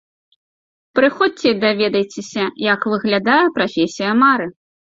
Прыходзьце і даведайцеся, як выглядае прафесія мары!